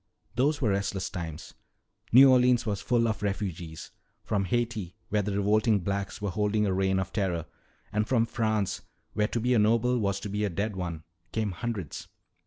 "Those were restless times. New Orleans was full of refugees. From Haiti, where the revolting blacks were holding a reign of terror, and from France, where to be a noble was to be a dead one, came hundreds.